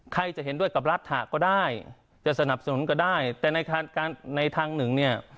ใครจะเห็นด้วยกับรัฐหะก็ได้จะสนับสนุนก็ได้แต่ในทางหนึ่งเนี่ย